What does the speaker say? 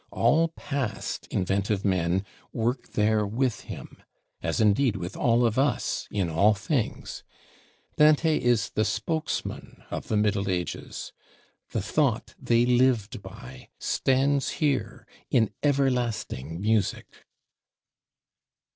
All past inventive men work there with him; as indeed with all of us, in all things. Dante is the spokesman of the Middle Ages; the Thought they lived by stands here, in everlasting music.